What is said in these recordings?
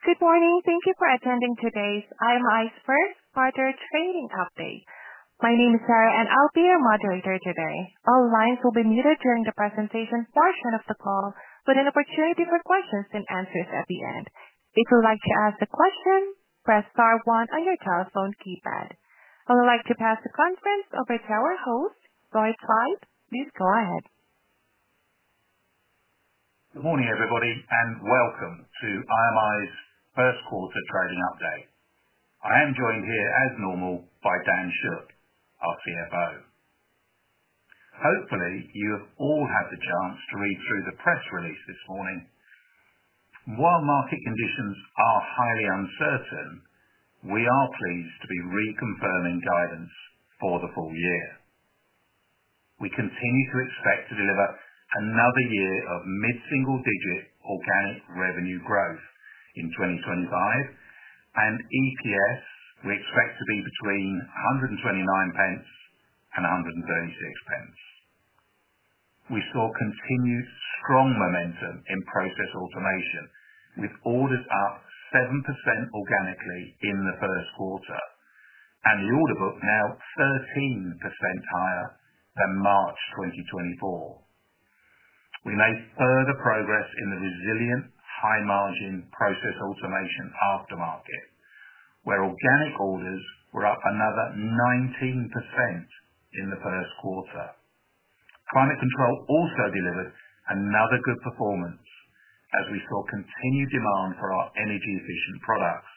Good morning, thank you for attending today's IMI's first quarter trading update. My name is Sarah, and I'll be your moderator today. All lines will be muted during the presentation portion of the call, with an opportunity for questions and answers at the end. If you'd like to ask a question, press star one on your telephone keypad. I would like to pass the conference over to our host, Roy Twite. Please go ahead. Good morning, everybody, and welcome to IMI's first quarter trading update. I am joined here, as normal, by Dan Shook, our CFO. Hopefully, you have all had the chance to read through the press release this morning. While market conditions are highly uncertain, we are pleased to be reconfirming guidance for the full year. We continue to expect to deliver another year of mid-single-digit organic revenue growth in 2025, and EPS we expect to be between 1.29 and 1.36. We saw continued strong momentum in process automation, with orders up 7% organically in the first quarter and the order book now 13% higher than March 2024. We made further progress in the resilient, high-margin process automation aftermarket, where organic orders were up another 19% in the first quarter. Climate control also delivered another good performance, as we saw continued demand for our energy-efficient products.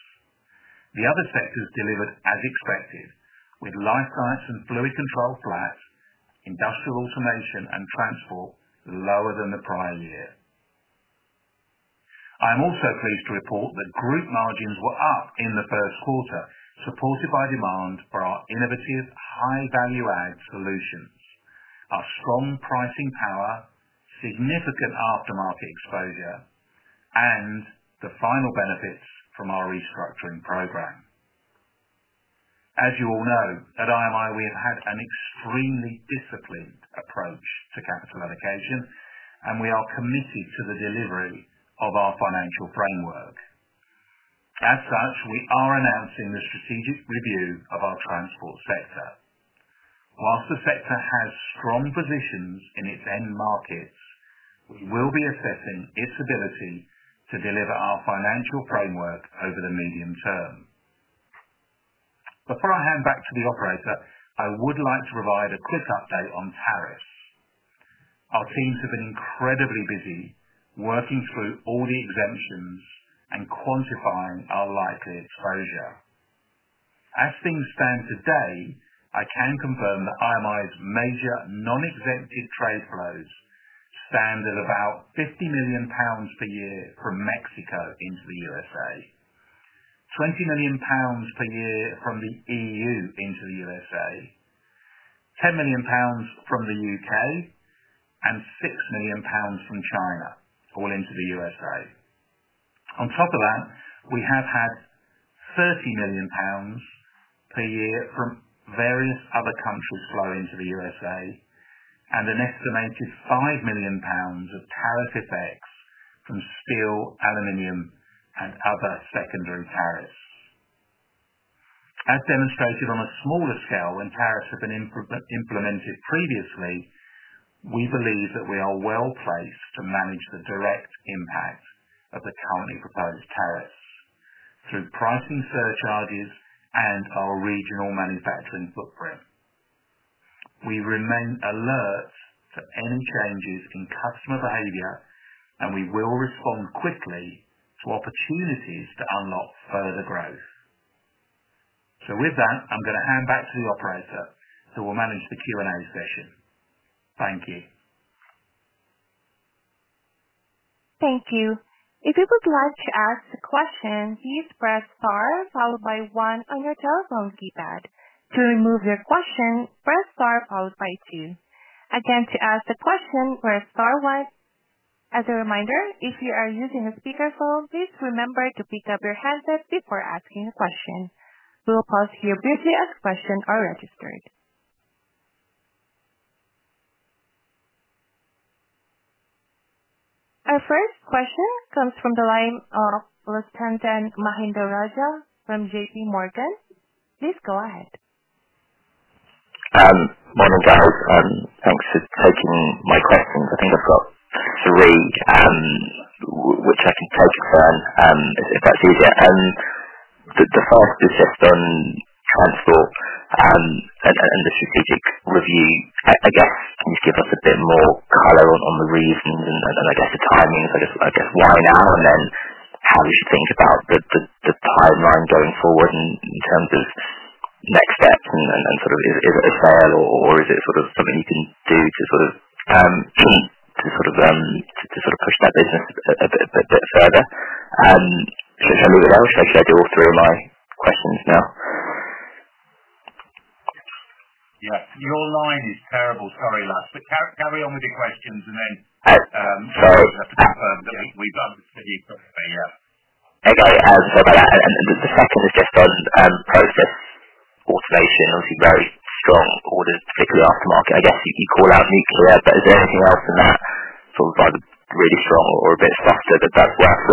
The other sectors delivered as expected, with life science and fluid control flat, industrial automation, and transport lower than the prior year. I am also pleased to report that group margins were up in the first quarter, supported by demand for our innovative high-value-add solutions, our strong pricing power, significant aftermarket exposure, and the final benefits from our restructuring program. As you all know, at IMI, we have had an extremely disciplined approach to capital allocation, and we are committed to the delivery of our financial framework. As such, we are announcing the strategic review of our transport sector. Whilst the sector has strong positions in its end markets, we will be assessing its ability to deliver our financial framework over the medium term. Before I hand back to the operator, I would like to provide a quick update on tariffs. Our teams have been incredibly busy working through all the exemptions and quantifying our likely exposure. As things stand today, I can confirm that IMI's major non-exempted trade flows stand at about 50 million pounds per year from Mexico into the U.S.A., 20 million pounds per year from the EU into the U.S.A., 10 million pounds from the U.K., and 6 million pounds from China, all into the U.S.A. On top of that, we have had 30 million pounds per year from various other countries flowing to the U.S.A., and an estimated 5 million pounds of tariff effects from steel, aluminum, and other secondary tariffs. As demonstrated on a smaller scale when tariffs have been implemented previously, we believe that we are well placed to manage the direct impact of the currently proposed tariffs through pricing surcharges and our regional manufacturing footprint. We remain alert to any changes in customer behavior, and we will respond quickly to opportunities to unlock further growth. With that, I'm going to hand back to the operator who will manage the Q&A session. Thank you. Thank you. If you would like to ask a question, please press star followed by one on your telephone keypad. To remove your question, press star followed by two. Again, to ask a question, press star one. As a reminder, if you are using a speakerphone, please remember to pick up your handset before asking a question. We will pause here briefly as questions are registered. Our first question comes from the line of Lushanthan Mahendrarajah from JPMorgan. Please go ahead. Morning, guys. Thanks for taking my questions. I think I've got three, which I can take if that's easier. The first is just on transport and the strategic review. I guess, can you give us a bit more color on the reasons and, I guess, the timings? I guess, why now, and then how we should think about the timeline going forward in terms of next steps, and sort of is it a sale, or is it sort of something you can do to sort of push that business a bit further? Should I leave it there or should I do all three of my questions now? Yeah, your line is terrible, sorry, Lush. Carry on with your questions, and then we'll have to confirm that we've answered you properly, yeah. Okay, sorry about that. The second is just on process automation. Obviously, very strong orders, particularly aftermarket. I guess you call out nuclear, but is there anything else in that sort of really strong or a bit softer that is worth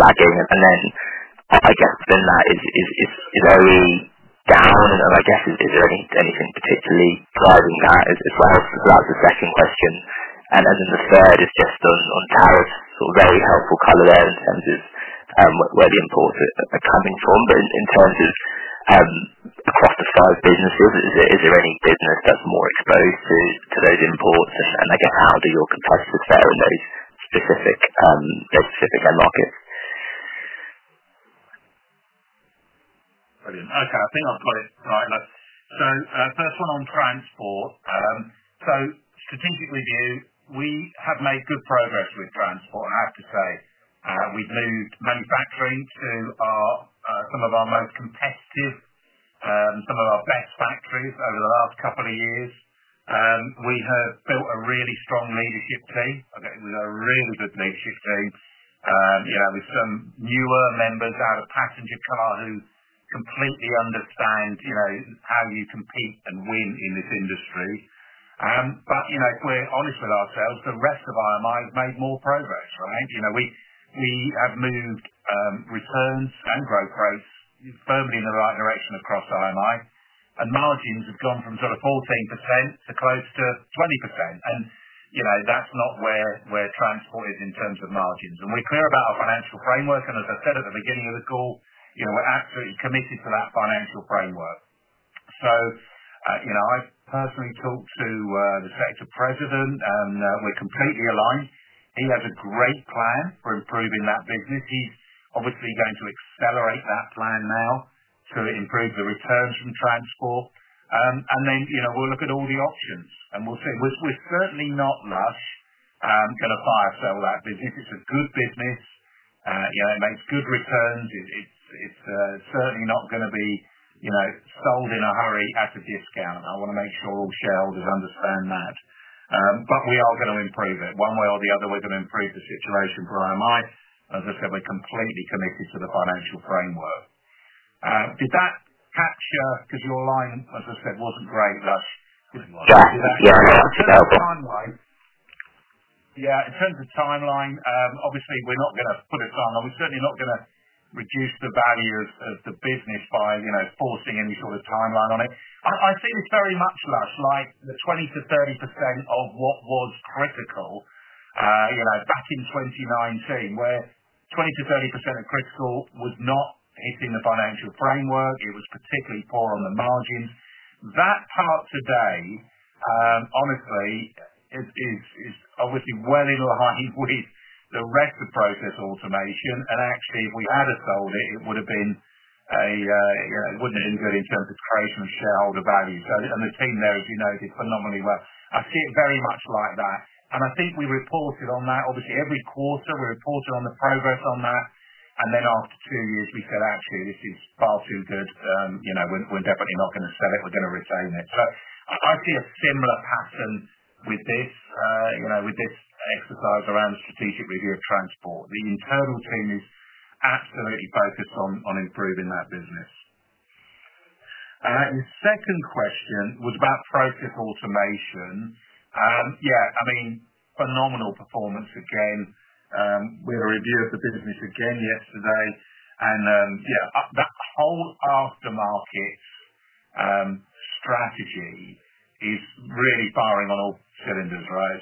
flagging? I guess, within that, is there any down? Is there anything particularly driving that as well? That was the second question. The third is just on tariffs, sort of very helpful color there in terms of where the imports are coming from. In terms of across the five businesses, is there any business that is more exposed to those imports? I guess, how do your competitors fare in those specific end markets? Brilliant. Okay, I think I've got it right. First one on transport. Strategic review, we have made good progress with transport, I have to say. We've moved manufacturing to some of our most competitive, some of our best factories over the last couple of years. We have built a really strong leadership team. We've got a really good leadership team. We have some newer members out of passenger car who completely understand how you compete and win in this industry. If we're honest with ourselves, the rest of IMI have made more progress, right? We have moved returns and growth rates firmly in the right direction across IMI. Margins have gone from sort of 14% to close to 20%. That's not where transport is in terms of margins. We're clear about our financial framework. As I said at the beginning of the call, we're absolutely committed to that financial framework. I've personally talked to the sector president, and we're completely aligned. He has a great plan for improving that business. He's obviously going to accelerate that plan now to improve the returns from transport. We'll look at all the options, and we'll see. We're certainly not, lush, going to buy or sell that business. It's a good business. It makes good returns. It's certainly not going to be sold in a hurry at a discount. I want to make sure all shareholders understand that. We are going to improve it. One way or the other, we're going to improve the situation for IMI. As I said, we're completely committed to the financial framework. Did that capture? Because your line, as I said, wasn't great, Lush. [Yes, that was very helpful]. In terms of timeline, yeah, in terms of timeline, obviously, we're not going to put a timeline. We're certainly not going to reduce the value of the business by forcing any sort of timeline on it. I see this very much, like the 20-30% of what was critical back in 2019, where 20-30% of critical was not hitting the financial framework. It was particularly poor on the margins. That part today, honestly, is obviously well in line with the rest of process automation. Actually, if we had sold it, it would have been a—it would not have been good in terms of creation of shareholder value. The team there, as you know, did phenomenally well. I see it very much like that. I think we reported on that. Obviously, every quarter, we reported on the progress on that. After two years, we said, "Actually, this is far too good. We're definitely not going to sell it. We're going to retain it." I see a similar pattern with this exercise around strategic review of transport. The internal team is absolutely focused on improving that business. The second question was about process automation. Yeah, I mean, phenomenal performance again. We had a review of the business again yesterday. That whole aftermarket strategy is really firing on all cylinders, right?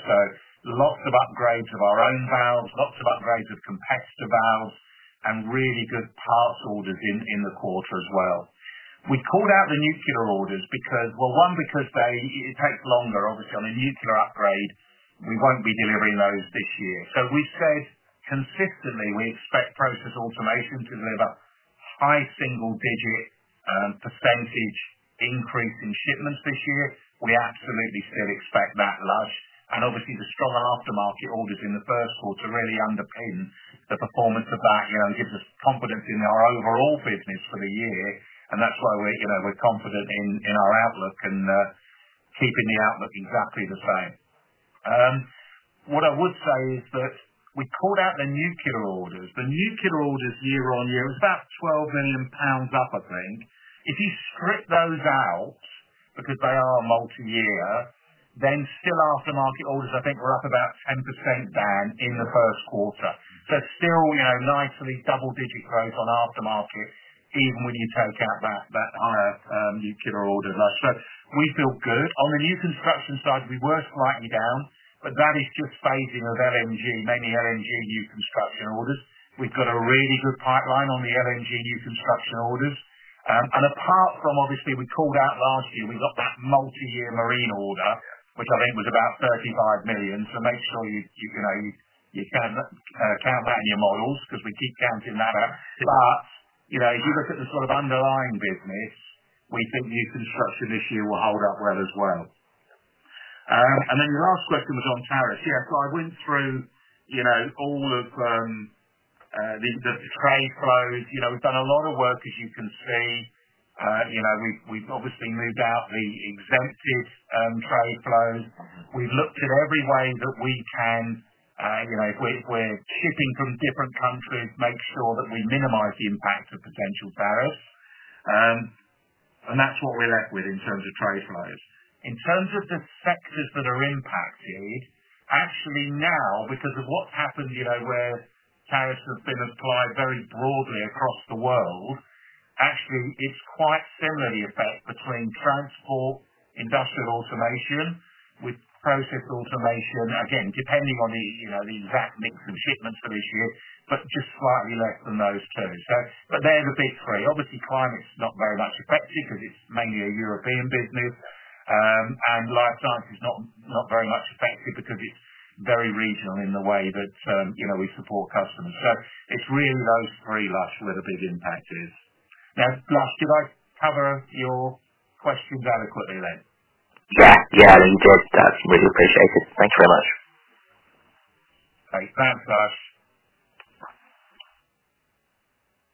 Lots of upgrades of our own valves, lots of upgrades of competitor valves, and really good parts orders in the quarter as well. We called out the nuclear orders because, one, it takes longer, obviously, on a nuclear upgrade. We will not be delivering those this year. We said consistently we expect process automation to deliver high single-digit percentage increase in shipments this year. We absolutely still expect that Lush. Obviously, the strong aftermarket orders in the first quarter really underpin the performance of that and give us confidence in our overall business for the year. That is why we are confident in our outlook and keeping the outlook exactly the same. What I would say is that we called out the nuclear orders. The nuclear orders year on year was about 12 million pounds up, I think. If you strip those out, because they are multi-year, then still aftermarket orders, I think, were up about 10% then in the first quarter. Still nicely double-digit growth on aftermarket, even when you take out that higher nuclear order Lush. We feel good. On the new construction side, we were slightly down, but that is just phasing of mainly LNG New Construction orders. We have got a really good pipeline on the LNG New Construction orders. Apart from, obviously, we called out last year, we got that multi-year marine order, which I think was about 35 million. Make sure you count that in your models because we keep counting that out. If you look at the sort of underlying business, we think new construction this year will hold up well as well. Your last question was on tariffs. Yeah, I went through all of the trade flows. We have done a lot of work, as you can see. We have obviously moved out the exempted trade flows. We've looked at every way that we can, if we're shipping from different countries, make sure that we minimize the impact of potential tariffs. That's what we're left with in terms of trade flows. In terms of the sectors that are impacted, actually now, because of what's happened where tariffs have been applied very broadly across the world, actually, it's quite similar the effect between transport, industrial automation, with process automation, again, depending on the exact mix of shipments for this year, but just slightly less than those two. They're the big three. Obviously, climate's not very much affected because it's mainly a European business. Life science is not very much affected because it's very regional in the way that we support customers. It's really those three where the big impact is. Now, Lush, did I cover your questions adequately then? Yeah, I didn't get that. Really appreciate it. Thanks very much. Thanks, Lush.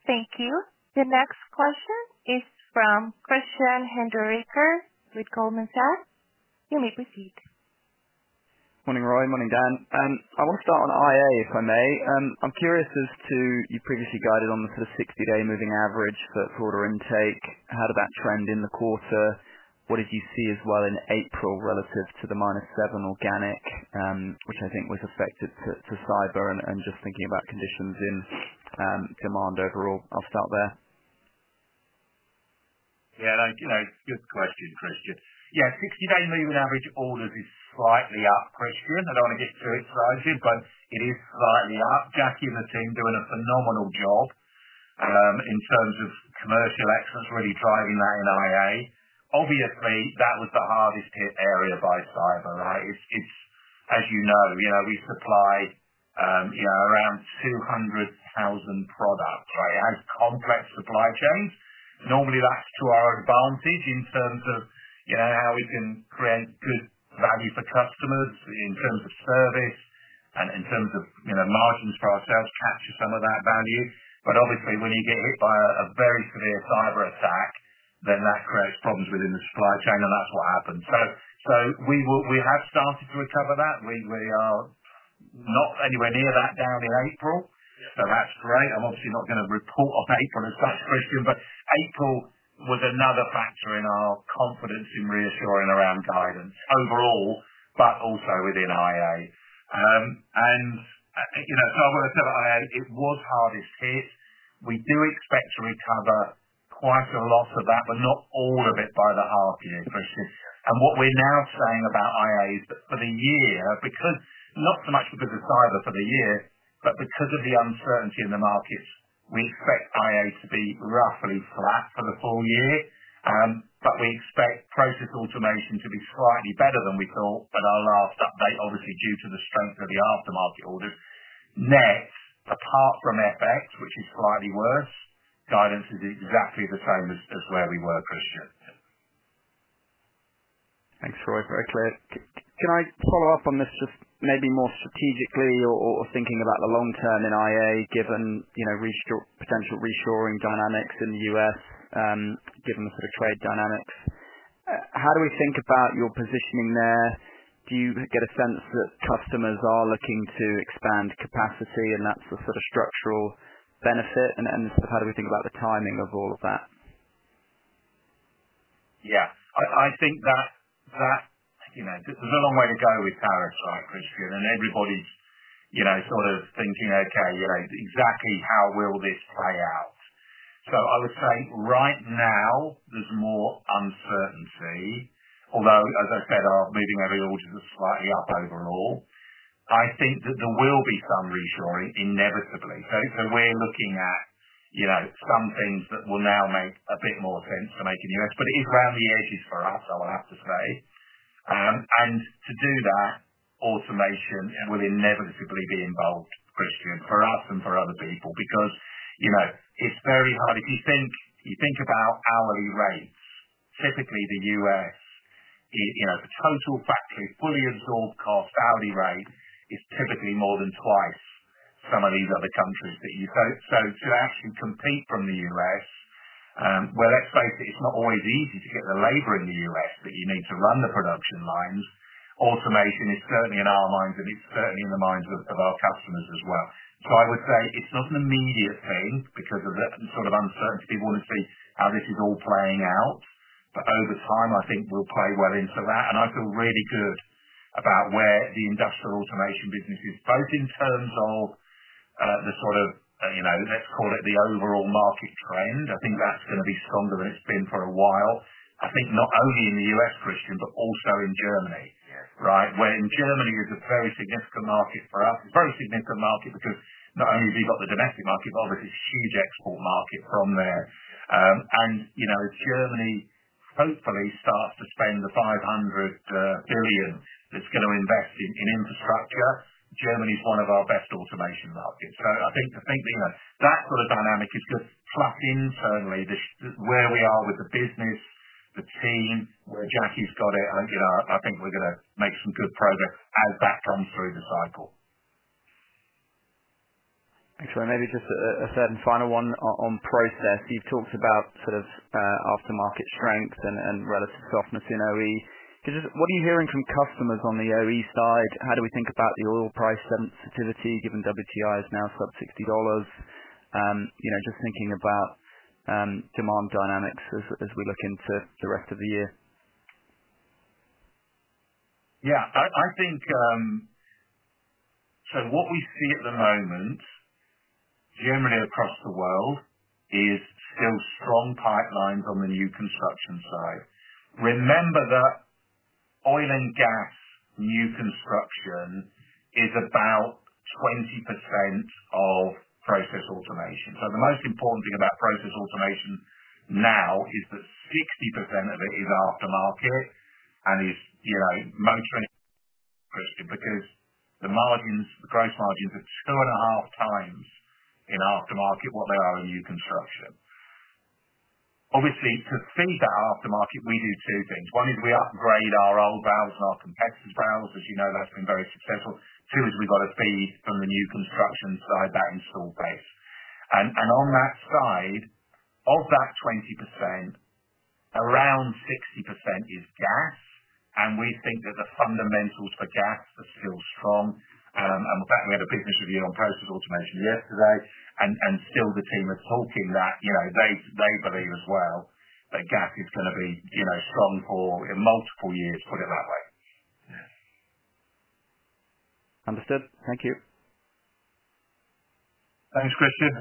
Thank you. The next question is from Christian Hinderaker with Goldman Sachs. You may proceed. Morning, Roy. Morning, Dan. I want to start on IA, if I may. I'm curious as to you previously guided on the sort of 60-day moving average for order intake. How did that trend in the quarter? What did you see as well in April relative to the minus 7% organic, which I think was affected to cyber and just thinking about conditions in demand overall? I'll start there. Yeah, good question, Christian. Yeah, 60-day moving average orders is slightly up, Christian. I do not want to get too excited, but it is slightly up. Jackie and the team doing a phenomenal job in terms of commercial excellence, really driving that in IA. Obviously, that was the hardest hit area by cyber, right? As you know, we supply around 200,000 products, right? It has complex supply chains. Normally, that is to our advantage in terms of how we can create good value for customers in terms of service and in terms of margins for ourselves, capture some of that value. Obviously, when you get hit by a very severe cyber attack, then that creates problems within the supply chain, and that is what happens. We have started to recover that. We are not anywhere near that down in April. That is great. I'm obviously not going to report on April as such, Christian, but April was another factor in our confidence in reassuring around guidance overall, but also within IA. I want to say about IA, it was hardest hit. We do expect to recover quite a lot of that, but not all of it by the half year, Christian. What we are now saying about IA is that for the year, not so much because of cyber for the year, but because of the uncertainty in the markets, we expect IA to be roughly flat for the full year. We expect process automation to be slightly better than we thought at our last update, obviously due to the strength of the aftermarket orders. Nets, apart from FX, which is slightly worse, guidance is exactly the same as where we were, Christian. Thanks, Roy. Very clear. Can I follow up on this just maybe more strategically or thinking about the long term in IA, given potential reshoring dynamics in the U.S., given the sort of trade dynamics? How do we think about your positioning there? Do you get a sense that customers are looking to expand capacity, and that's the sort of structural benefit? How do we think about the timing of all of that? Yeah, I think that there's a long way to go with tariffs, right, Christian? Everybody's sort of thinking, "Okay, exactly how will this play out?" I would say right now, there's more uncertainty. Although, as I said, our moving average orders are slightly up overall. I think that there will be some reshoring inevitably. We're looking at some things that will now make a bit more sense to make in the U.S. It is round the edges for us, I will have to say. To do that, automation will inevitably be involved, Christian, for us and for other people. Because it's very hard. If you think about hourly rates, typically the U.S., the total factory, fully absorbed cost, hourly rate is typically more than twice some of these other countries that you say. To actually compete from the U.S., well, let's face it, it's not always easy to get the labor in the U.S. that you need to run the production lines. Automation is certainly in our minds, and it's certainly in the minds of our customers as well. I would say it's not an immediate thing because of the sort of uncertainty. People want to see how this is all playing out. Over time, I think we'll play well into that. I feel really good about where the industrial automation business is, both in terms of the sort of, let's call it the overall market trend. I think that's going to be stronger than it's been for a while. I think not only in the U.S., Christian, but also in Germany, right? Where Germany is a very significant market for us. It's a very significant market because not only have you got the domestic market, but obviously it's a huge export market from there. If Germany hopefully starts to spend the 500 billion that's going to invest in infrastructure, Germany's one of our best automation markets. I think that sort of dynamic is good. Plus internally, where we are with the business, the team, where Jackie's got it, I think we're going to make some good progress as that comes through the cycle. Thanks, Roy. Maybe just a third and final one on process. You've talked about sort of aftermarket strength and relative softness in OE. What are you hearing from customers on the OE side? How do we think about the oil price sensitivity given WTI is now sub-$60? Just thinking about demand dynamics as we look into the rest of the year. Yeah, I think so what we see at the moment generally across the world is still strong pipelines on the new construction side. Remember that oil and gas new construction is about 20% of process automation. The most important thing about process automation now is that 60% of it is aftermarket and is motoring, Christian, because the gross margins are two and a half times in aftermarket what they are in new construction. Obviously, to feed that aftermarket, we do two things. One is we upgrade our old valves and our competitors' valves. As you know, that's been very successful. Two is we've got to feed from the new construction side that installed base. On that side, of that 20%, around 60% is gas. We think that the fundamentals for gas are still strong. In fact, we had a business review on process automation yesterday. The team are talking that they believe as well that gas is going to be strong for multiple years, put it that way. Understood. Thank you. Thanks, Christian.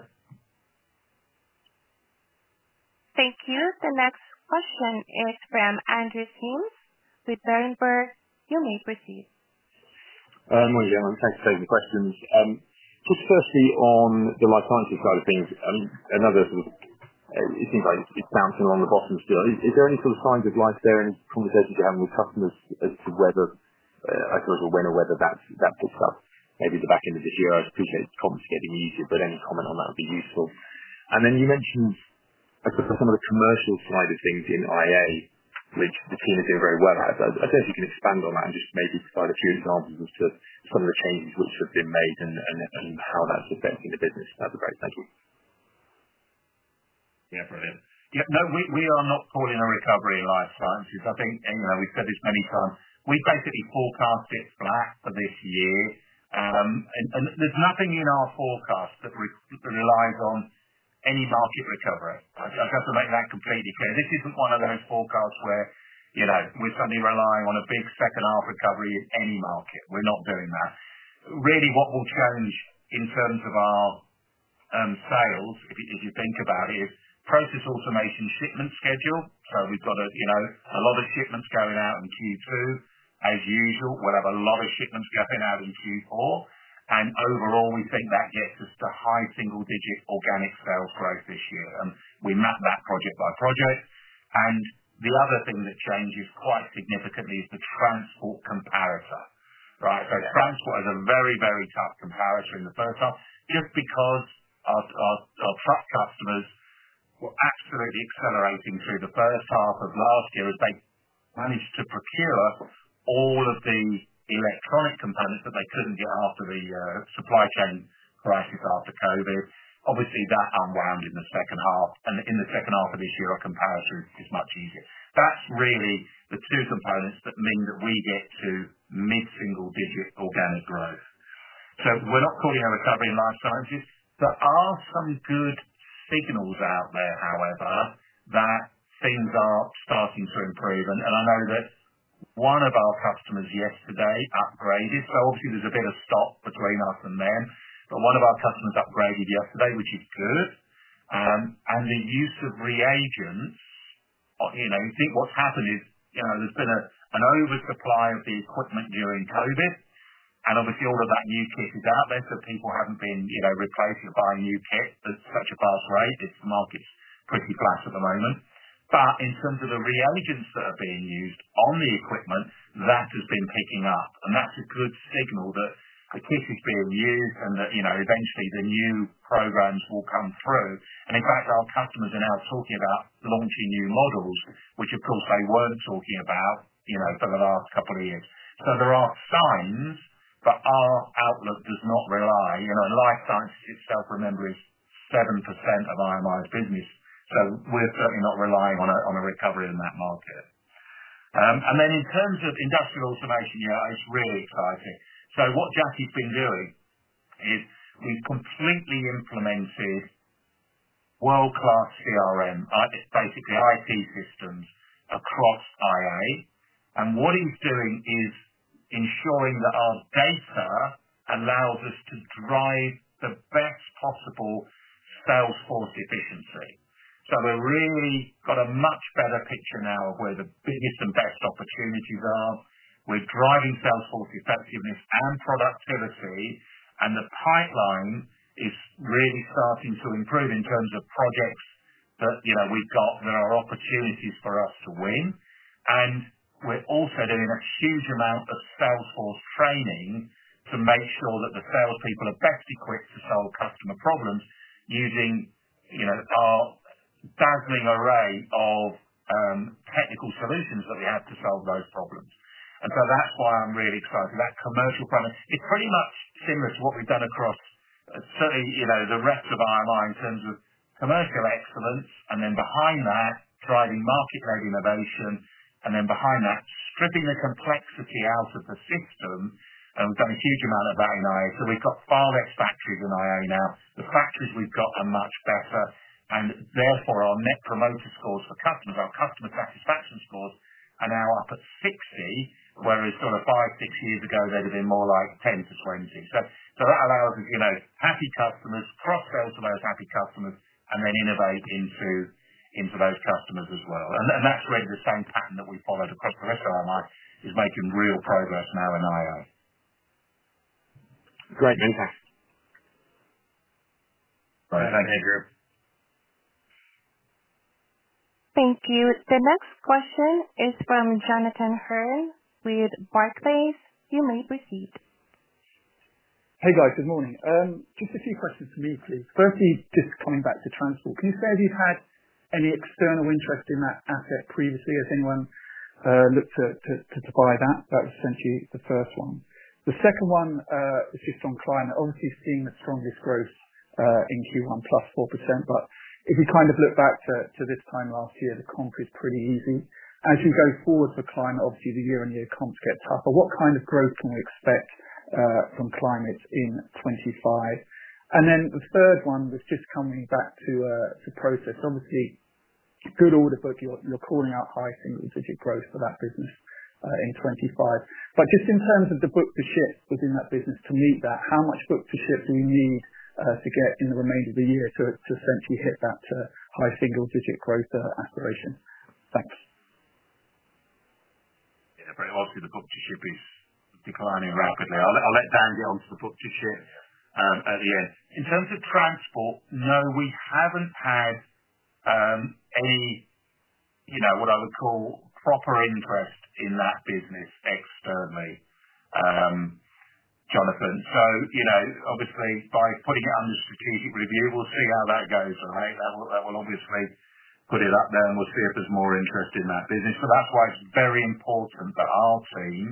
Thank you. The next question is from Andrew Simms with Berenberg. You may proceed. Morning, everyone. Thanks for taking the questions. Just firstly on the life sciences side of things, I mean, another sort of it seems like it's bouncing along the bottom still. Is there any sort of signs of life there in conversations you're having with customers as to whether I suppose when or whether that picks up maybe at the back end of this year? I appreciate comments getting easier, but any comment on that would be useful. Then you mentioned some of the commercial side of things in IA, which the team is doing very well at. I don't know if you can expand on that and just maybe provide a few examples as to some of the changes which have been made and how that's affecting the business. That'd be great. Thank you. Yeah, brilliant. Yep. No, we are not calling a recovery in life sciences. I think we've said this many times. We basically forecast it flat for this year. And there's nothing in our forecast that relies on any market recovery. I've got to make that completely clear. This isn't one of those forecasts where we're suddenly relying on a big second half recovery in any market. We're not doing that. Really, what will change in terms of our sales, if you think about it, is process automation shipment schedule. We've got a lot of shipments going out in Q2. As usual, we'll have a lot of shipments going out in Q4. Overall, we think that gets us to high single-digit organic sales growth this year. We map that project by project. The other thing that changes quite significantly is the transport comparator, right? Transport is a very, very tough comparator in the first half just because our truck customers were absolutely accelerating through the first half of last year as they managed to procure all of the electronic components that they could not get after the supply chain crisis after COVID. Obviously, that unwound in the second half. In the second half of this year, a comparator is much easier. That is really the two components that mean that we get to mid-single-digit organic growth. We are not calling a recovery in life sciences. There are some good signals out there, however, that things are starting to improve. I know that one of our customers yesterday upgraded. Obviously, there is a bit of stock between us and them. One of our customers upgraded yesterday, which is good. The use of reagents, you think what's happened is there's been an oversupply of the equipment during COVID. Obviously, all of that new kit is out there. People haven't been replacing or buying new kit at such a fast rate. The market's pretty flat at the moment. In terms of the reagents that are being used on the equipment, that has been picking up. That's a good signal that the kit is being used and that eventually the new programs will come through. In fact, our customers are now talking about launching new models, which of course they weren't talking about for the last couple of years. There are signs, but our outlook does not rely. Life sciences itself, remember, is 7% of IMI's business. We're certainly not relying on a recovery in that market. In terms of industrial automation, yeah, it's really exciting. What Jackie's been doing is we've completely implemented world-class CRM, basically IT systems across IA. What he's doing is ensuring that our data allows us to drive the best possible Salesforce efficiency. We've really got a much better picture now of where the biggest and best opportunities are. We're driving Salesforce effectiveness and productivity. The pipeline is really starting to improve in terms of projects that we've got that are opportunities for us to win. We're also doing a huge amount of Salesforce training to make sure that the salespeople are best equipped to solve customer problems using our dazzling array of technical solutions that we have to solve those problems. That's why I'm really excited. That commercial front, it's pretty much similar to what we've done across certainly the rest of IMI in terms of commercial excellence. Then behind that, driving market-led innovation. Then behind that, stripping the complexity out of the system. We've done a huge amount of that in IA. We've got far fewer factories in IA now. The factories we've got are much better. Therefore, our net promoter scores for customers, our customer satisfaction scores, are now up at 60, whereas five, six years ago, they'd have been more like 10-20. That allows us happy customers, cross-sales to those happy customers, and then innovate into those customers as well. That's really the same pattern that we followed across the rest of IMI, making real progress now in IA. Great. Many thanks. Thank you, Andrew. Thank you. The next question is from Jonathan Hurn with Barclays. You may proceed. Hey, guys. Good morning. Just a few questions from me, please. Firstly, just coming back to transport. Can you say if you've had any external interest in that asset previously as anyone looked to buy that? That was essentially the first one. The second one is just on climate. Obviously, seeing the strongest growth in Q1, +4%. If you kind of look back to this time last year, the comp is pretty easy. As we go forward for climate, obviously, the year-on-year comps get tougher. What kind of growth can we expect from climate in 2025? The third one was just coming back to process. Obviously, good order book, you're calling out high single-digit growth for that business in 2025. Just in terms of the book to ship within that business to meet that, how much book to ship do we need to get in the remainder of the year to essentially hit that high single-digit growth aspiration? Thanks. Yeah, obviously, the book to ship is declining rapidly. I'll let Dan get onto the book to ship at the end. In terms of transport, no, we haven't had any what I would call proper interest in that business externally, Jonathan. By putting it under strategic review, we'll see how that goes, right? That will obviously put it up there, and we'll see if there's more interest in that business. That's why it's very important that our team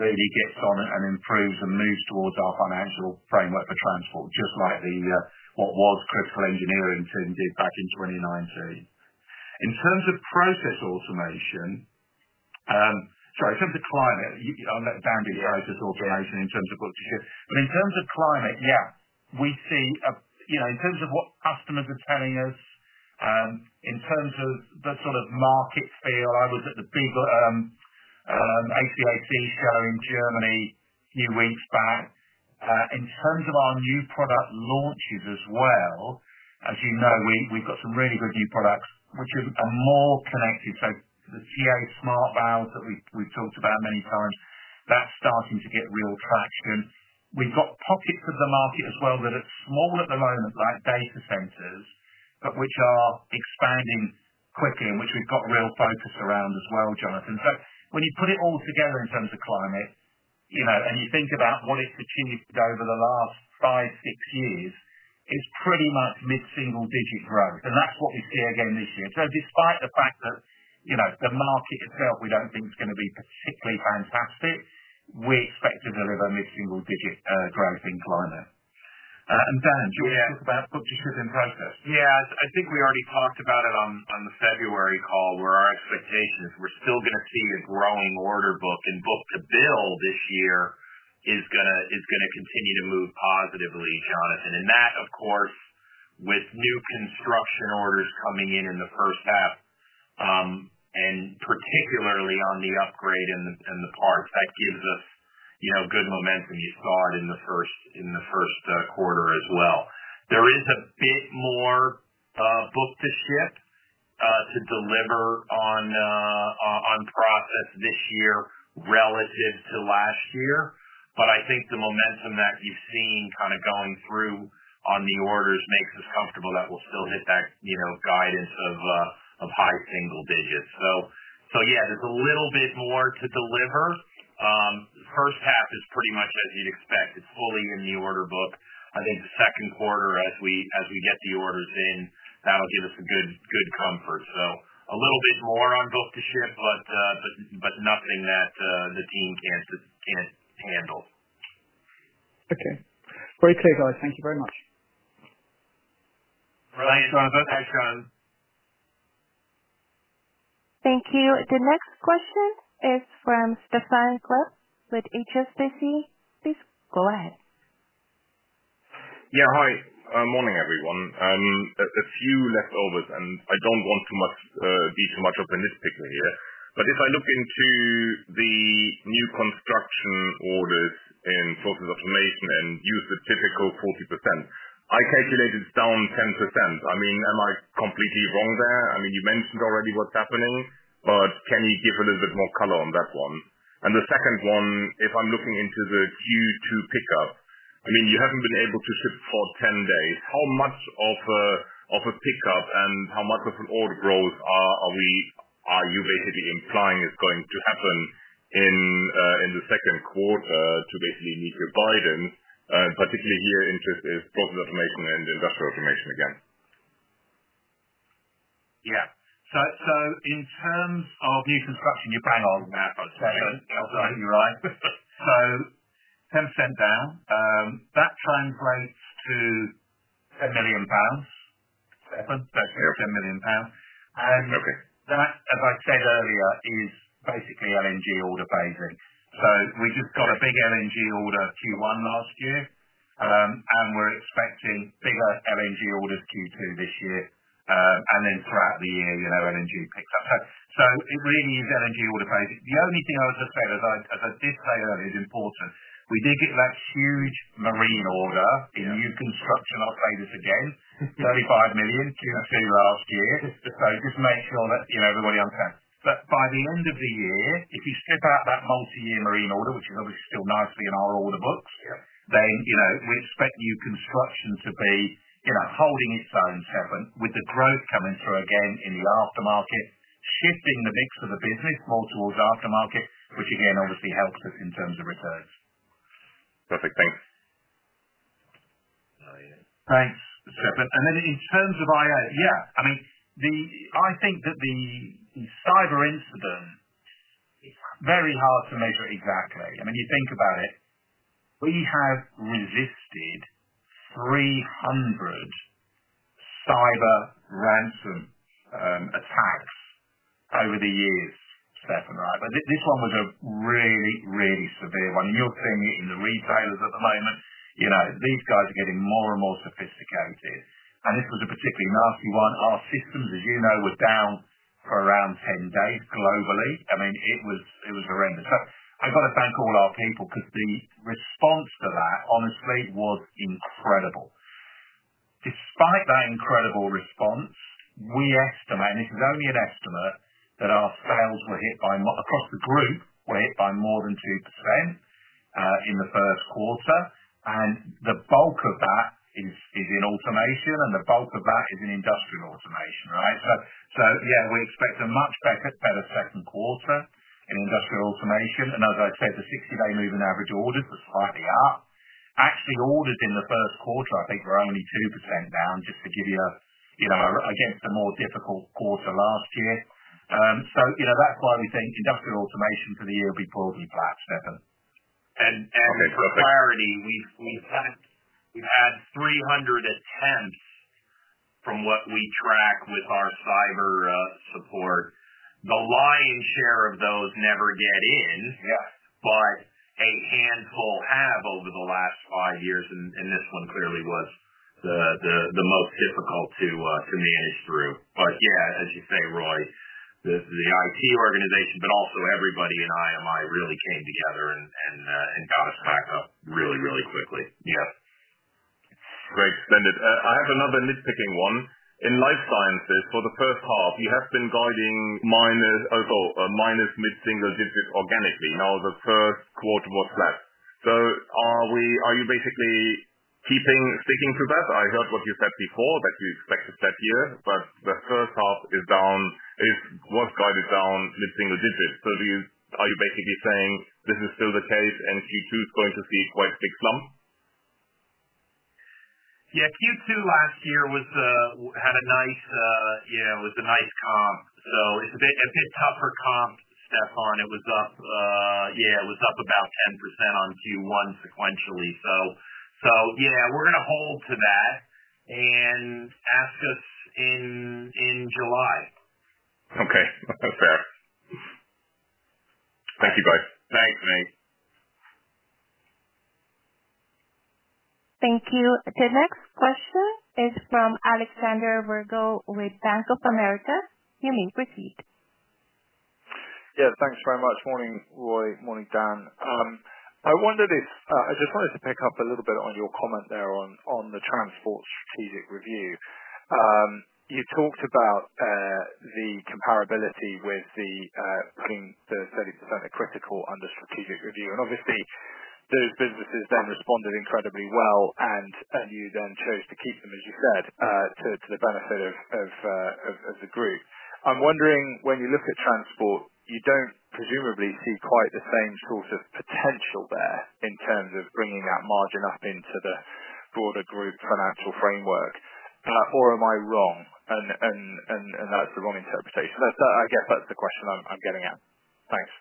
really gets on it and improves and moves towards our financial framework for transport, just like what was critical engineering team did back in 2019. In terms of process automation, sorry, in terms of climate, I'll let Dan do process automation in terms of book to ship. But in terms of climate, yeah, we see in terms of what customers are telling us, in terms of the sort of market feel, I was at the big HVAC show in Germany a few weeks back. In terms of our new product launches as well, as you know, we have got some really good new products which are more connected. So the TA-Smart valves that we have talked about many times, that is starting to get real traction. We have got pockets of the market as well that are small at the moment, like data centers, but which are expanding quickly and which we have got real focus around as well, Jonathan. When you put it all together in terms of climate and you think about what it has achieved over the last five, six years, it is pretty much mid-single-digit growth. That is what we see again this year. Despite the fact that the market itself, we do not think it is going to be particularly fantastic, we expect to deliver mid-single-digit growth in climate. Dan, do you want to talk about book to ship and process? Yeah. I think we already talked about it on the February call, where our expectation is we're still going to see a growing order book, and book to build this year is going to continue to move positively, Jonathan. That, of course, with new construction orders coming in in the first half, and particularly on the upgrade and the parts, gives us good momentum. You saw it in the first quarter as well. There is a bit more book to ship to deliver on process this year relative to last year. I think the momentum that you've seen kind of going through on the orders makes us comfortable that we'll still hit that guidance of high single digits. Yeah, there's a little bit more to deliver. The first half is pretty much as you'd expect. It's fully in the order book. I think the second quarter, as we get the orders in, that'll give us a good comfort. A little bit more on book to ship, but nothing that the team can't handle. Okay. Great takeaway. Thank you very much. Brilliant, Jonathan. Thanks, John. Thank you. The next question is from Stephan Klepp with HSBC. Please go ahead. Yeah. Hi. Morning, everyone. A few leftovers, and I do not want to be too much of a nitpicker here. If I look into the new construction orders in process automation and use the typical 40%, I calculated it is down 10%. I mean, am I completely wrong there? I mean, you mentioned already what is happening, but can you give a little bit more color on that one? The second one, if I am looking into the Q2 pickup, I mean, you have not been able to ship for 10 days. How much of a pickup and how much of an order growth are you basically implying is going to happen in the second quarter to basically meet your guidance, particularly here interest is process automation and industrial automation again? Yeah. In terms of new construction, you bang on there, Jonathan. You're right. 10% down. That translates to 10 million pounds. 10 million pounds. That, as I said earlier, is basically LNG order phasing. We just got a big LNG order Q1 last year, and we're expecting bigger LNG orders Q2 this year. Throughout the year, LNG picks up. It really is LNG order phasing. The only thing I was going to say, as I did say earlier, is important. We did get that huge marine order in new construction, I'll say this again, 35 million Q2 last year. Just make sure that everybody understands. By the end of the year, if you strip out that multi-year marine order, which is obviously still nicely in our order books, we expect new onstruction to be holding its own, Stephan, with the growth coming through again in the aftermarket, shifting the mix of the business more towards aftermarket, which again, obviously helps us in terms of returns. Perfect. Thanks. Thanks, Stephan. In terms of IA, yeah. I mean, I think that the cyber incident, it's very hard to measure exactly. I mean, you think about it. We have resisted 300 cyber ransom attacks over the years, Stephan, right? This one was a really, really severe one. You are seeing it in the retailers at the moment. These guys are getting more and more sophisticated. This was a particularly nasty one. Our systems, as you know, were down for around 10 days globally. I mean, it was horrendous. I have to thank all our people because the response to that, honestly, was incredible. Despite that incredible response, we estimate, and this is only an estimate, that our sales were hit by, across the group, were hit by more than 2% in the first quarter. The bulk of that is in automation, and the bulk of that is in industrial automation, right? Yeah, we expect a much better second quarter in industrial automation. As I said, the 60-day moving average orders were slightly up. Actually, orders in the first quarter, I think, were only 2% down, just to give you a against a more difficult quarter last year. That is why we think industrial automation for the year will be broadly flat, Stephan. For clarity, we have had 300 attempts from what we track with our cyber support. The lion's share of those never get in, but a handful have over the last five years. This one clearly was the most difficult to manage through. Yeah, as you say, Roy, the IT organization, but also everybody in IMI really came together and got us back up really, really quickly. Yeah. Great. Splendid. I have another nitpicking one. In life sciences, for the first half, you have been guiding minus or minus mid-single digit organically. Now, the first quarter was flat. Are you basically sticking to that? I heard what you said before that you expect a flat year, but the first half was guided down mid-single digit. Are you basically saying this is still the case, and Q2 is going to see quite a big slump? Yeah. Q2 last year had a nice, yeah, it was a nice comp. It is a bit tougher comp, Stephan. It was up, yeah, it was up about 10% on Q1 sequentially. Yeah, we are going to hold to that and ask us in July. Okay. Fair. Thank you, guys. Thanks, mate. Thank you. The next question is from Alexander Virgo with Bank of America. You may proceed. Yeah. Thanks very much. Morning, Roy. Morning, Dan. I wondered if I just wanted to pick up a little bit on your comment there on the transport strategic review. You talked about the comparability with putting the 30% acritical under strategic review. And obviously, those businesses then responded incredibly well, and you then chose to keep them, as you said, to the benefit of the group. I'm wondering, when you look at transport, you don't presumably see quite the same sort of potential there in terms of bringing that margin up into the broader group financial framework. Or am I wrong? That's the wrong interpretation. I guess that's the question I'm getting at. Thanks.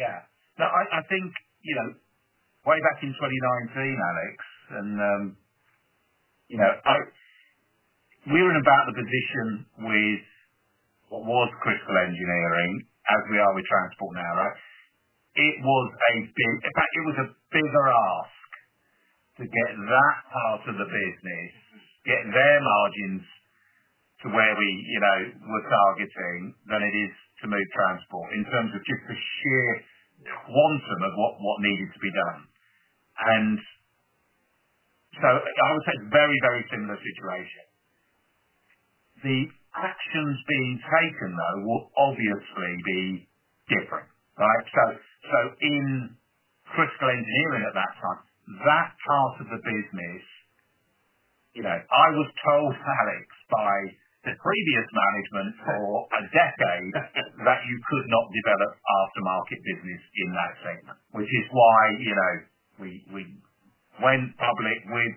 Yeah. No, I think way back in 2019, Alex, and we were in about the position with what was critical engineering as we are with transport now, right? It was a big, in fact, it was a bigger ask to get that part of the business, get their margins to where we were targeting than it is to move transport in terms of just the sheer quantum of what needed to be done. I would say it is a very, very similar situation. The actions being taken, though, will obviously be different, right? In critical engineering at that time, that part of the business, I was told, Alex, by the previous management for a decade that you could not develop aftermarket business in that segment, which is why we went public with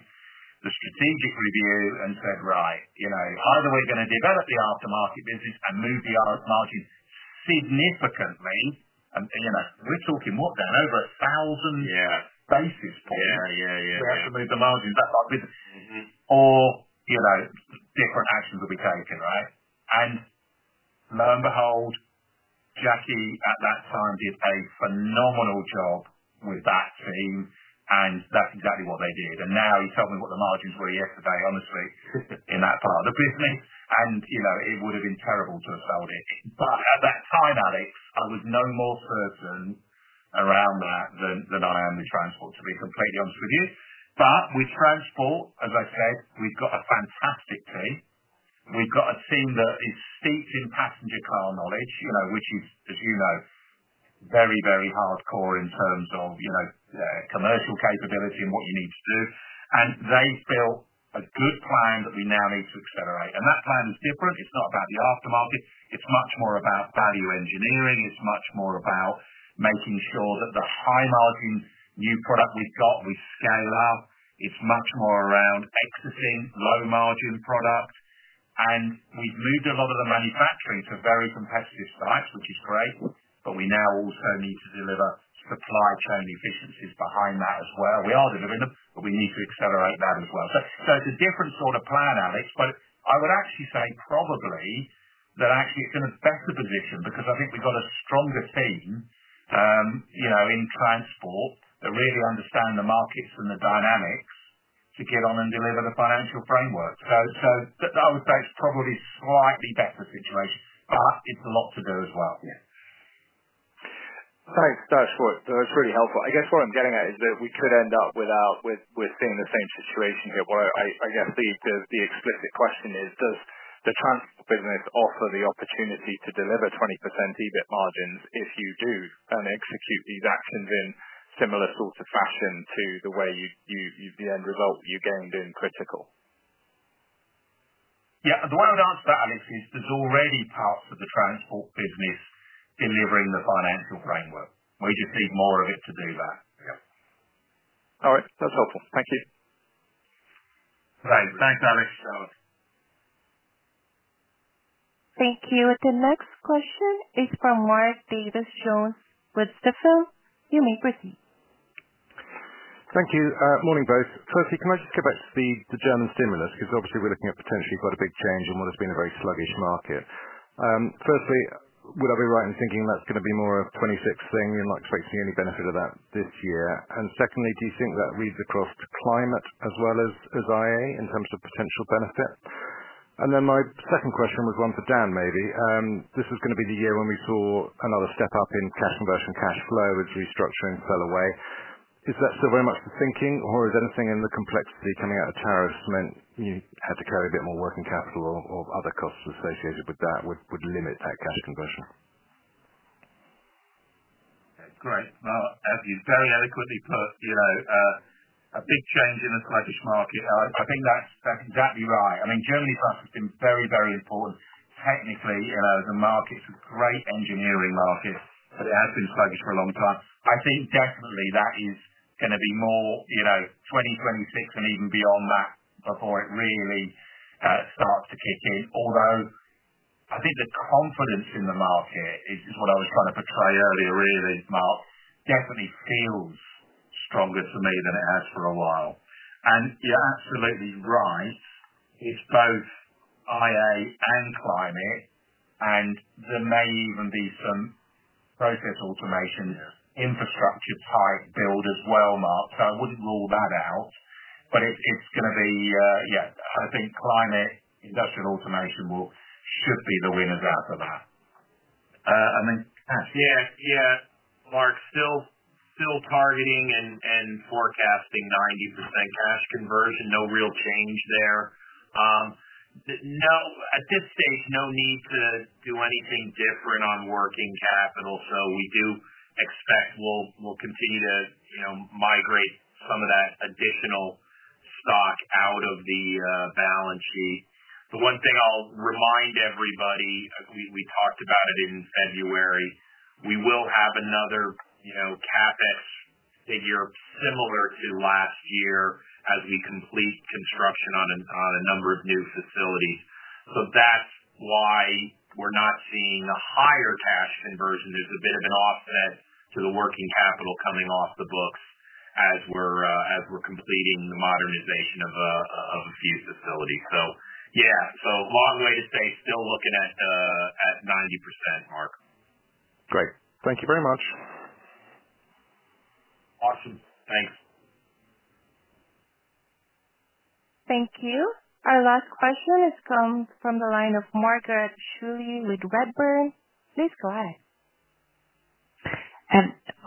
the strategic review and said, "Right. Either we're going to develop the aftermarket business and move the margins significantly. We're talking, what, Dan, over 1,000 basis points? Yeah. We have to move the margins that far with it. Different actions will be taken, right? Lo and behold, Jackie at that time did a phenomenal job with that team, and that is exactly what they did. Now he told me what the margins were yesterday, honestly, in that part of the business, and it would have been terrible to have sold it. At that time, Alex, I was no more certain around that than I am with transport, to be completely honest with you. With transport, as I said, we have got a fantastic team. We have got a team that is steeped in passenger car knowledge, which is, as you know, very, very hardcore in terms of commercial capability and what you need to do. They have built a good plan that we now need to accelerate. That plan is different. It's not about the aftermarket. It's much more about value engineering. It's much more about making sure that the high-margin new product we've got, we scale up. It's much more around exiting low-margin product. We have moved a lot of the manufacturing to very competitive sites, which is great, but we now also need to deliver supply chain efficiencies behind that as well. We are delivering them, but we need to accelerate that as well. It is a different sort of plan, Alex, but I would actually say probably that actually it's in a better position because I think we've got a stronger team in transport that really understand the markets and the dynamics to get on and deliver the financial framework. I would say it's probably a slightly better situation, but it's a lot to do as well. Thanks, [that works]. That was really helpful. I guess what I'm getting at is that we could end up with seeing the same situation here. What I guess the explicit question is, does the transport business offer the opportunity to deliver 20% EBIT margins if you do and execute these actions in similar sort of fashion to the way the end result you gained in critical? Yeah. The way I would answer that, Alex, is there's already parts of the transport business delivering the financial framework. We just need more of it to do that. Yeah. All right. That's helpful. Thank you. Thanks. Thanks, Alex. Thank you. The next question is from Mark Davies Jones with Stifel. You may proceed. Thank you. Morning, both. Firstly, can I just go back to the German stimulus? Because obviously, we're looking at potentially quite a big change in what has been a very sluggish market. Firstly, would I be right in thinking that's going to be more of a 2026 thing? We're not expecting any benefit of that this year. Secondly, do you think that reads across to climate as well as IA in terms of potential benefit? My second question was one for Dan, maybe. This is going to be the year when we saw another step up in cash conversion. Cash flow is restructuring fell away. Is that still very much the thinking, or is anything in the complexity coming out of tariffs meant you had to carry a bit more working capital or other costs associated with that would limit that cash conversion? Great. As you very adequately put, a big change in a sluggish market. I think that's exactly right. I mean, Germany's last year has been very, very important. Technically, the market's a great engineering market, but it has been sluggish for a long time. I think definitely that is going to be more 2026 and even beyond that before it really starts to kick in. Although I think the confidence in the market is what I was trying to portray earlier, really, Mark, definitely feels stronger to me than it has for a while. You're absolutely right. It's both IA and climate, and there may even be some process automation infrastructure-type build as well, Mark. I wouldn't rule that out, but it's going to be, yeah, I think climate, industrial automation should be the winners out of that. And then cash. Yeah. Yeah. Mark, still targeting and forecasting 90% cash conversion. No real change there. At this stage, no need to do anything different on working capital. We do expect we'll continue to migrate some of that additional stock out of the balance sheet. The one thing I'll remind everybody, we talked about it in February. We will have another CapEx figure similar to last year as we complete construction on a number of new facilities. That is why we're not seeing a higher cash conversion. There is a bit of an offset to the working capital coming off the books as we're completing the modernization of a few facilities. Yeah. Long way to stay. Still looking at 90%, Mark. Great. Thank you very much. Awesome. Thanks. Thank you. Our last question has come from the line of Margaret Schooley with Redburn. Please go ahead.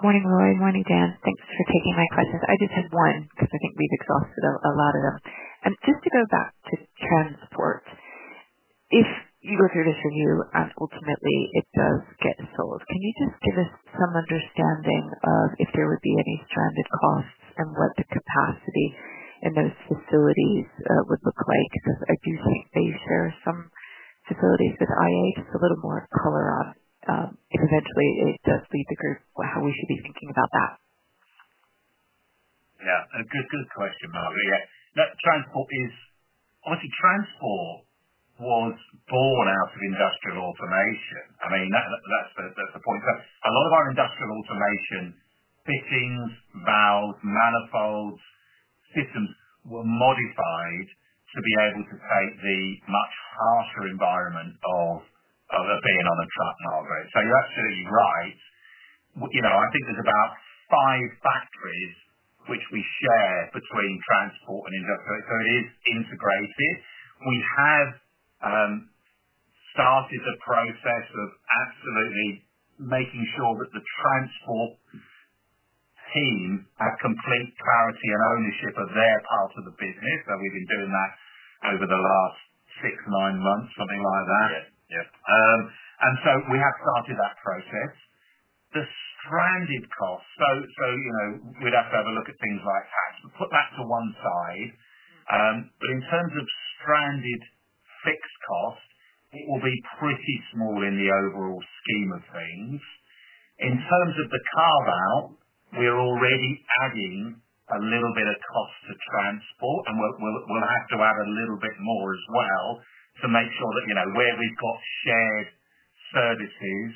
Morning, Roy. Morning, Dan. Thanks for taking my questions. I just had one because I think we have exhausted a lot of them. Just to go back to transport, if you go through this review and ultimately it does get sold, can you just give us some understanding of if there would be any stranded costs and what the capacity in those facilities would look like? I do think they share some facilities with IA. Just a little more color on if eventually it does leave the group, how we should be thinking about that. Yeah. Good question, Margaret. Yeah. Obviously, transport was born out of industrial automation. I mean, that's the point. A lot of our industrial automation fittings, valves, manifolds, systems were modified to be able to take the much harsher environment of being on a truck, Margaret. You're absolutely right. I think there's about five factories which we share between transport and industrial. It is integrated. We have started the process of absolutely making sure that the transport team have complete clarity and ownership of their part of the business. We've been doing that over the last six to nine months, something like that. We have started that process. The stranded costs, we'd have to have a look at things like tax. Put that to one side. In terms of stranded fixed cost, it will be pretty small in the overall scheme of things. In terms of the carve-out, we're already adding a little bit of cost to transport, and we'll have to add a little bit more as well to make sure that where we've got shared services,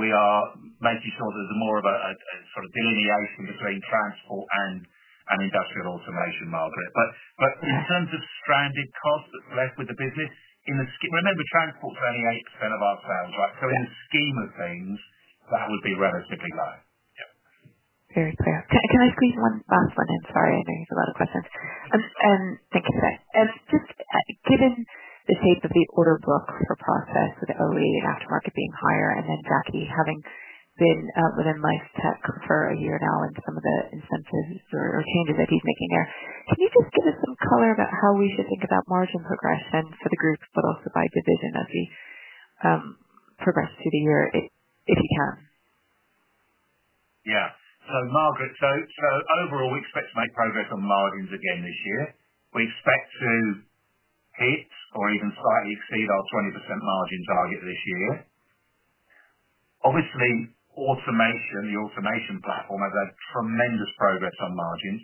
we are making sure there's more of a sort of delineation between transport and industrial automation, Margaret. In terms of stranded costs that's left with the business, remember, transport's only 8% of our sales, right? In the scheme of things, that would be relatively low. Very clear. Can I squeeze one last one in? Sorry. I know you have a lot of questions. Thank you for that. Just given the shape of the order book for process with OE and aftermarket being higher, and then Jackie having been within Life Tech for a year now and some of the incentives or changes that he's making there, can you just give us some color about how we should think about margin progression for the group, but also by division as we progress through the year, if you can? Yeah. Margaret, overall, we expect to make progress on margins again this year. We expect to hit or even slightly exceed our 20% margin target this year. Obviously, automation, the automation platform, has had tremendous progress on margins.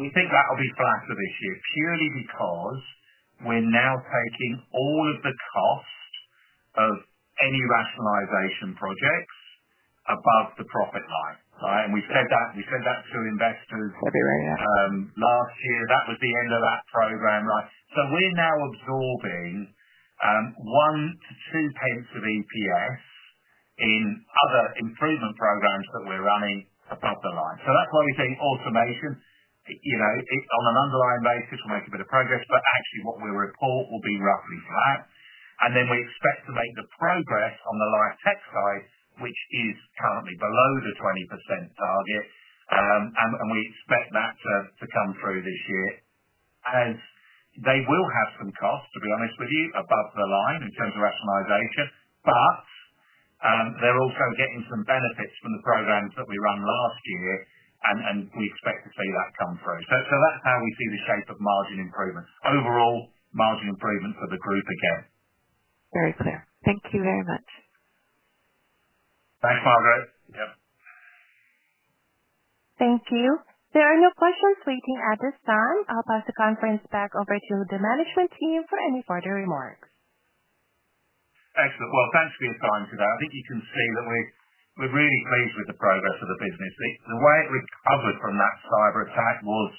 We think that'll be flatter this year purely because we're now taking all of the costs of any rationalization projects above the profit line, right? We have said that to investors. February. Yeah. Last year. That was the end of that program, right? We are now absorbing one to two-tenths of EPS in other improvement programs that we are running above the line. That is why we say automation, on an underlying basis, will make a bit of progress, but actually what we report will be roughly flat. We expect to make the progress on the Life Tech side, which is currently below the 20% target, and we expect that to come through this year. They will have some costs, to be honest with you, above the line in terms of rationalization, but they are also getting some benefits from the programs that we ran last year, and we expect to see that come through. That is how we see the shape of margin improvement. Overall margin improvement for the group again. Very clear. Thank you very much. Thanks, Margaret. Yep. Thank you. There are no questions waiting at this time. I'll pass the conference back over to the management team for any further remarks. Excellent. Thank you for your time today. I think you can see that we're really pleased with the progress of the business. The way it recovered from that cyber attack was,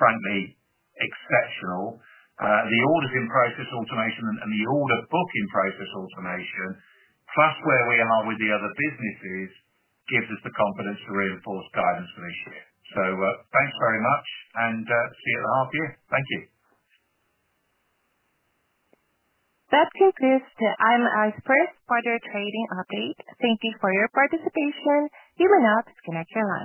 frankly, exceptional. The orders in process automation and the order book in process automation, plus where we are with the other businesses, gives us the confidence to reinforce guidance for this year. Thank you very much, and see you at the half year. Thank you. That concludes the IMI First Quarter Trading Update. Thank you for your participation. You may now disconnect your line.